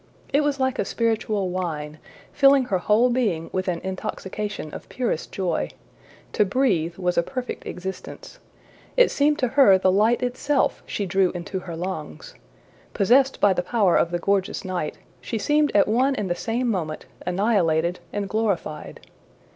It was like a spiritual wine, filling her whole being with an intoxication of purest joy. To breathe was a perfect existence. It seemed to her the light itself she drew into her lungs. Possessed by the power of the gorgeous night, she seemed at one and the same moment annihilated and glorified.